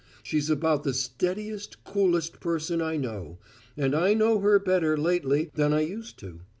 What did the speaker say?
She's about the steadiest, coolest person I know and I know her better, lately, than I used to.